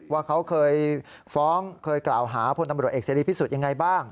ว่าเขาเคยฟ้องเคยกล่าวหาพลตำรวจเอกเสรีพิสุทธิ์ยังไงบ้าง